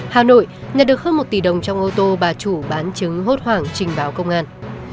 hà nội nhận được hơn một tỷ đồng trong ô tô bà chủ bán trứng hốt hoảng trình báo công an